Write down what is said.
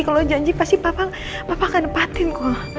kalo janji pasti papa akan nepatin kok